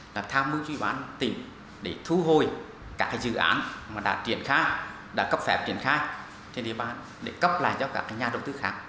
là tham mưu ủy bán tỉnh để thu hồi các dự án đã cấp phép triển khai trên địa bàn để cấp lại cho các nhà đầu tư khác